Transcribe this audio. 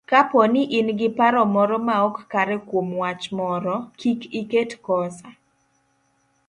Kapo ni in gi paro moro maok kare kuom wach moro, kik iket kosa